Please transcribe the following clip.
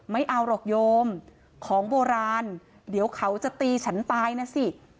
ไม่เอาหรอกโยมของโบราณเดี๋ยวเขาจะตีฉันตายนะสิ